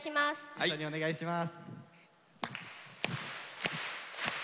一緒にお願いします。